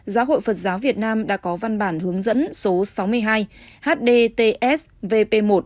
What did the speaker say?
giáo hội phật giáo việt nam đã có văn bản hướng dẫn số sáu mươi hai hdts vp một